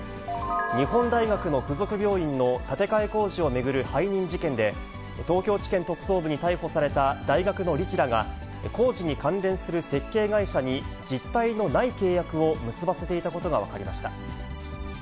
日本大学の付属病院の建て替え工事を巡る背任事件で、東京地検特捜部に逮捕された大学の理事らが、工事に関連する建設会社に、実体のない契約を結ばせていたことが分かりました。